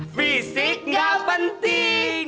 fisik gak penting